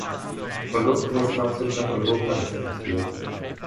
Von dort wird das Fahrzeug nach Europa exportiert.